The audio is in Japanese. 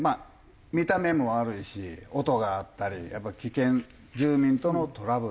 見た目も悪いし音があったり危険住民とのトラブルがある。